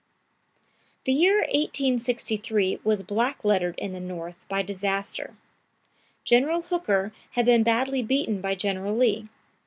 The year 1863 was black lettered in the North by disaster. General Hooker had been badly beaten by General Lee.